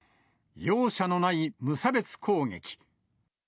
容赦のない無差別攻撃。